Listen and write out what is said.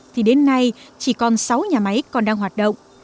thì đến nay chỉ còn sáu nhà máy còn đang hoạt động